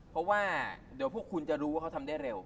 เพราะว่าเดี๋ยวพวกคุณจะรู้ว่าเขาทำได้เร็ว